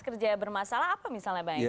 kerja yang bermasalah apa misalnya bang egy